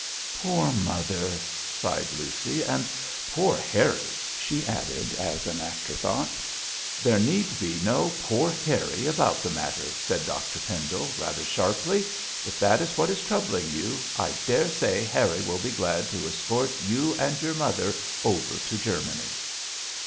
'Poor mother!' sighed Lucy, and 'poor Harry,' she added as an afterthought. 'There need be no "poor Harry" about the matter,' said Dr Pendle, rather sharply. 'If that is what is troubling you, I daresay Harry will be glad to escort you and your mother over to Germany.'